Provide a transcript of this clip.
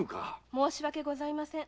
申し訳ございません